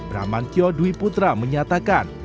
bramantyo dwi putra menyatakan